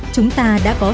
chúng ta đã có